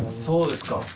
そうですか。